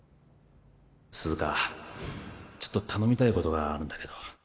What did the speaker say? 涼香ちょっと頼みたいことがあるんだけど